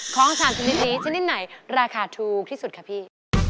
ของ๓ชนิดนี้ชนิดไหนราคาถูกที่สุดค่ะพี่